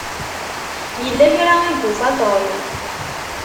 Yella kra i yufa Tom.